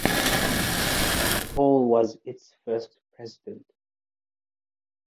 Paul was its first president.